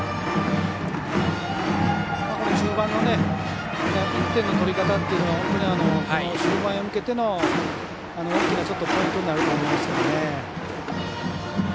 中盤の１点の取り方というのは終盤に向けての大きなポイントになると思いますからね。